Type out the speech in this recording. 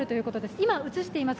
今映しています